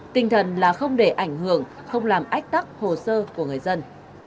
tinh thần là không để ảnh hưởng không làm ách tắc hồ sơ của người dân